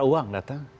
mata uang datang